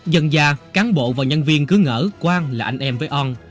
dần già cán bộ và nhân viên cứ ngỡ quang là anh em với on